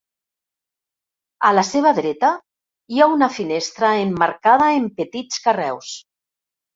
A la seva dreta, hi ha una finestra emmarcada en petits carreus.